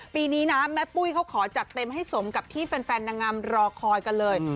ปีนี้นะแม่ปุ้ยเขาขอจัดเต็มให้สมกับที่แฟนนางงามรอคอยกันเลย